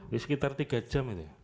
di sekitar tiga jam ya